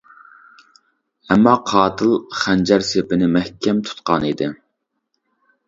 ئەمما قاتىل خەنجەر سېپىنى مەھكەم تۇتقان ئىدى.